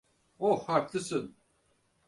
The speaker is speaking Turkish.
Oh, haklısın.